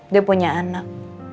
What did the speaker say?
dia punya anak